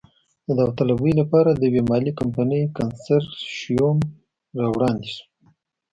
د داوطلبۍ لپاره د یوې مالي کمپنۍ کنسرشیوم را وړاندې شو.